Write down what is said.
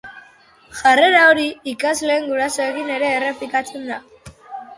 Jarrera hori, ikasleen gurasoekin ere errepikatzen da.